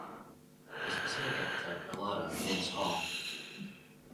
The specific epithet ("elata") means "tall".